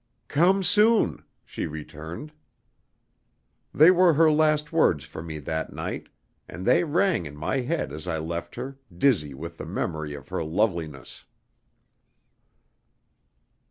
"Come soon," she returned. They were her last words for me that night, and they rang in my head as I left her, dizzy with the memory of her loveliness.